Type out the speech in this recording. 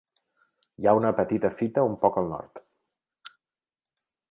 Hi ha una petita fita un poc al nord.